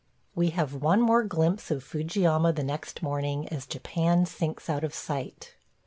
We have one more glimpse of Fujiyama the next morning as Japan sinks out of sight.